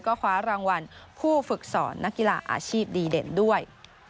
ก็คว้ารางวัลผู้ฝึกสอนนักกีฬาอาชีพดีเด่นด้วย